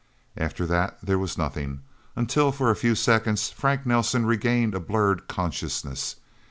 After that there was nothing, until, for a few seconds, Frank Nelsen regained a blurred consciousness.